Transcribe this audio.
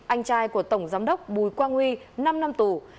anh trai của tổng giám đốc bùi quang huy năm năm tù